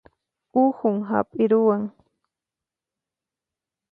Uhun hap'iruwan